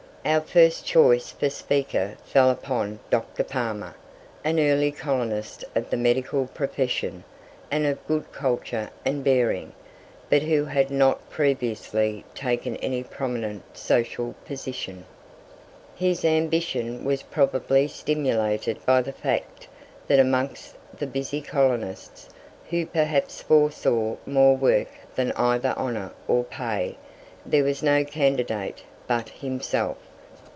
Our first choice for Speaker fell upon Dr. Palmer, an early colonist of the medical profession, and of good culture and bearing, but who had not previously taken any prominent social position. His ambition was probably stimulated by the fact that amongst the busy colonists, who perhaps foresaw more work than either honour or pay, there was no candidate but himself.